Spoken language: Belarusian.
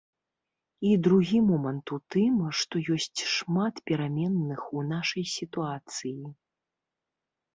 І другі момант у тым, што ёсць шмат пераменных у нашай сітуацыі.